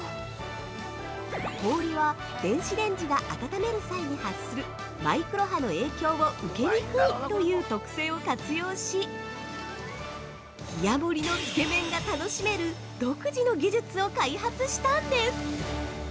氷は電子レンジが温める際に発するマイクロ波の影響を受けにくいという特性を活用し冷や盛りのつけ麺が楽しめる独自の技術を開発したんです。